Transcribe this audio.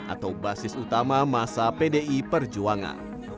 atau basis utama masa pdi perjuangan